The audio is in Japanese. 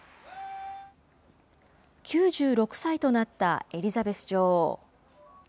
９６歳となったエリザベス女王。